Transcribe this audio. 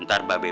ntar mbak beb